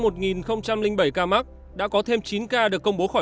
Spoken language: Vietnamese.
trong một bảy ca mắc đã có thêm chín ca được công bố khó khăn